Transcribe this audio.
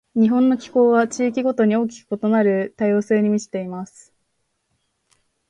日本の気候は、地域ごとに大きく異なる多様性に満ちています。